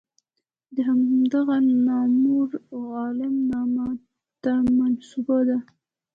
د همدغه نامور عالم نامه ته منسوبه ده.